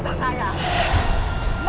di sini bu